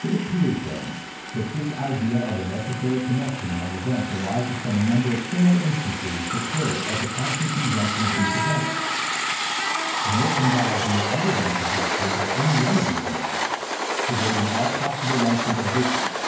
It appears, then, that this idea of a necessary connexion among events arises from a number of similar instances which occur of the constant conjunction of these events; nor can that idea ever be suggested by any one of these instances, surveyed in all possible lights and positions.